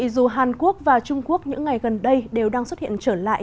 dù hàn quốc và trung quốc những ngày gần đây đều đang xuất hiện trở lại